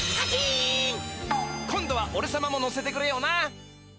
今度はおれさまも乗せてくれよな。